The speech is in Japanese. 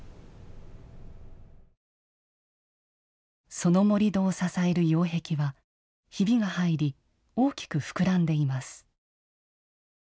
その盛土を支える擁壁はひびが入り大きく膨らんでいます。